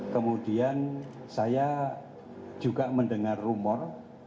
kemudian saya juga mendengar rumor